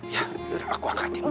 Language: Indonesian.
ya udah aku angkatin